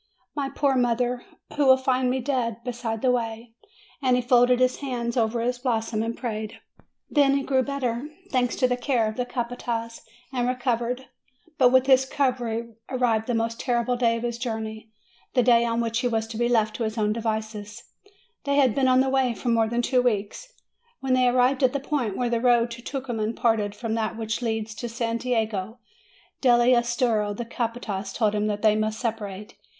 My poor mother, who will find me dead beside the way!" And he folded his hands over his bosom and prayed. HE STOOD WATCHING THE CONVOY TO SIGHT UNTIL IT WAS LOST FROM APENNINES TO THE ANDES. 281 Then he grew better, thanks to the care of the capaiaz, and recovered; but with his recovery arrived the most terrible day of his journey, the day on which he was to be left to his own devices. They had been on the way for more than two weeks; when they arrived at the point where the road to Tucuman parted from that which leads to Santiago dell' Estero, the capatas told him that they must separate.